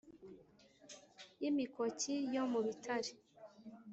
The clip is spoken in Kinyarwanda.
Y imikoki yo mu bitare